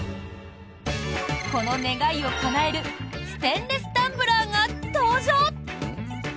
この願いをかなえるステンレスタンブラーが登場！